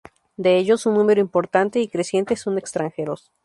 De ellos, un número importante y creciente son extranjeros.